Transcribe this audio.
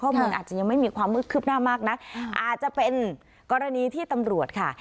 เหมือนอาจจะยังไม่มีความคืบหน้ามากนักอาจจะเป็นกรณีที่ตำรวจค่ะ